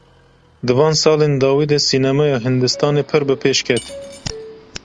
Di van salên dawî de sînemaya Hindistanê pir bi pêş ket.